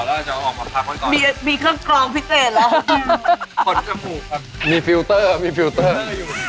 อันนี้ก็ขัดเรื่อยจนยิ้มก่อแล้วจะออกมาพักค่อย